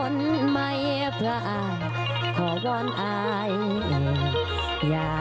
โอ้ดารกว่า